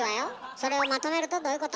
それをまとめるとどういうこと？